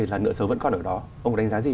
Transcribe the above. là nợ xấu vẫn còn ở đó ông có đánh giá gì